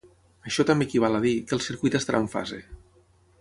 Això també equival a dir, que el circuit estarà en fase.